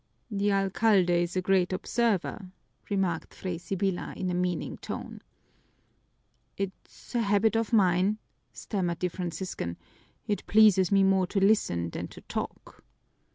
"The alcalde is a great observer," remarked Fray Sibyla in a meaning tone. "It's a habit of mine," stammered the Franciscan. "It pleases me more to listen than to talk."